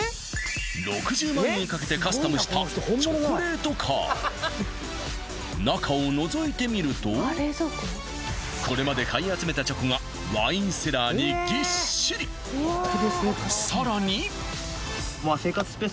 ６０万円かけてカスタムしたチョコレートカーこれまで買い集めたチョコがワインセラーにぎっしり生活スペース